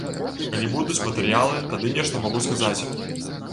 Калі будуць матэрыялы, тады нешта магу сказаць.